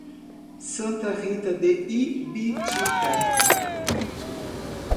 Santa Rita de Ibitipoca